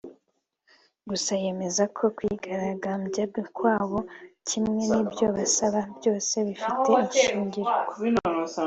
gusa yemeza ko kwigaragambya kwabo kimwe n’ibyo basaba byose bifite ishingiro